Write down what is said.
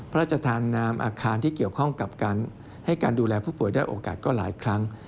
พระราชทานนามอาคารที่เกี่ยวข้องกับการให้การดูแลผู้ป่วยได้โอกาสก็หลายครั้ง